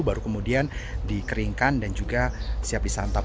baru kemudian dikeringkan dan juga siap disantap